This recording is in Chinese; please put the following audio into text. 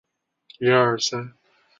历官直隶元氏县知县。